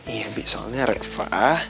iya bi soalnya reva